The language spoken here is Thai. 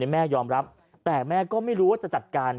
แม่ยอมรับแต่แม่ก็ไม่รู้ว่าจะจัดการ